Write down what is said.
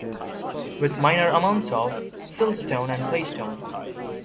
With minor amounts of siltstone and claystone.